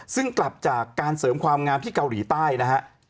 ซึ่งกลับจากการเสริมความงามที่เกาหลีใต้นะฮะ